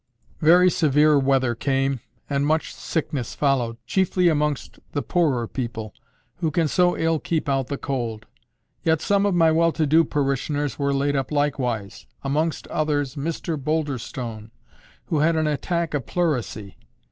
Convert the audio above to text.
Very severe weather came, and much sickness followed, chiefly amongst the poorer people, who can so ill keep out the cold. Yet some of my well to do parishioners were laid up likewise—amongst others Mr Boulderstone, who had an attack of pleurisy.